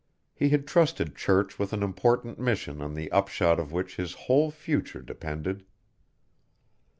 He had trusted Church with an important mission on the upshot of which his whole future depended.